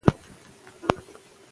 آیا د شیدو لپاره غوره وخت سهار دی؟